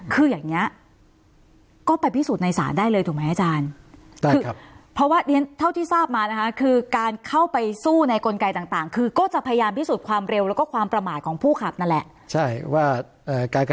คืออย่างนี้ก็ไปพิสูจน์ในศาลได้เลยถูกไหมอาจารย์